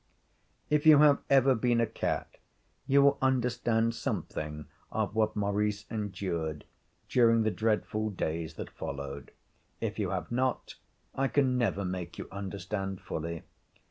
If you have ever been a cat you will understand something of what Maurice endured during the dreadful days that followed. If you have not, I can never make you understand fully.